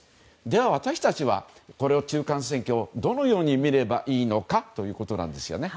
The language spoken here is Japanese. では、私たちはこの中間選挙をどのように見ればいいのかということですよね。